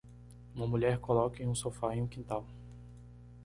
Uma mulher coloca em um sofá em um quintal.